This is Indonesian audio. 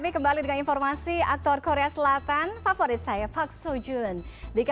bergabung dengan kami malam hari ini